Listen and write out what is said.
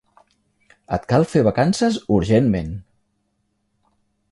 Et cal fer vacances urgentment.